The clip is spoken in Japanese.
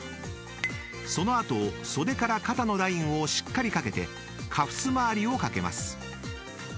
［その後袖から肩のラインをしっかりかけてカフス回りをかけます］